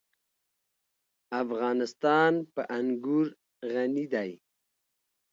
افغانستان په انګور غني دی.